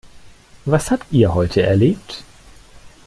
Was habt ihr heute erlebt?